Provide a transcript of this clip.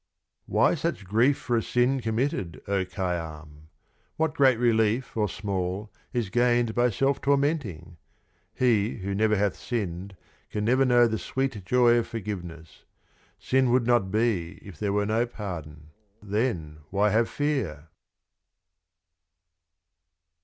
Why such Grief for a Sin committed, o Khaiyam ? What great Relief, or small, is gained by Self tormenting ? He, who never hath sinned, never can know the sweet Joy of Forgiveness. Sin would not be, if there were no Pardon. Then, why have Fear